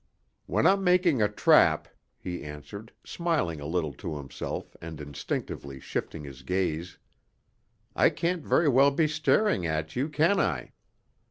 "When I'm making a trap," he answered, smiling a little to himself and instinctively shifting his gaze, "I can't very well be staring at you, can I?"